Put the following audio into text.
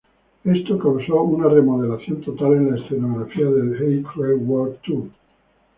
Esto causo una remodelación total en la escenografía del Hey, Cruel World...Tour.